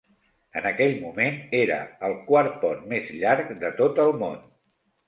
En aquell moment, era el quart pont més llarg de tot el món.